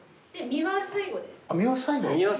実は最後です。